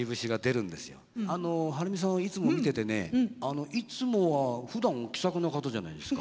あのはるみさんをいつも見ててねいつもはふだんは気さくな方じゃないですか。